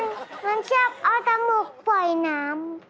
มันชอบเอาจมูกปล่อยน้ำ